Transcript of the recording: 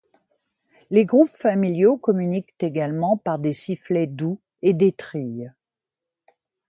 Les groupes familiaux communiquent également par des sifflets doux et des trilles.